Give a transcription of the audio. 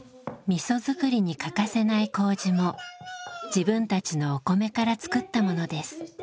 みそ作りに欠かせない麹も自分たちのお米から作ったものです。